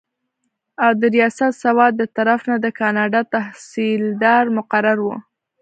او د رياست سوات دطرف نه د کاڼا تحصيلدار مقرر وو